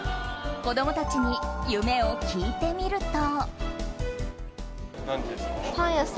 子供たちに夢を聞いてみると。